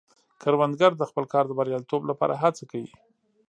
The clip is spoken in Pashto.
کروندګر د خپل کار د بریالیتوب لپاره هڅه کوي